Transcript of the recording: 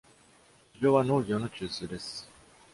狩猟は農業の中枢です。